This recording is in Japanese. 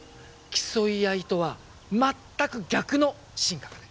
競い合いとは全く逆の進化がね。